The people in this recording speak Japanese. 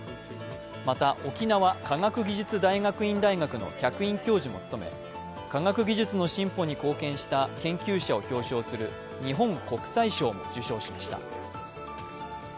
また沖縄科学技術大学院大学の客員教授も務め、科学技術の進歩に貢献した研究者を表彰する日本国際賞も受賞しました。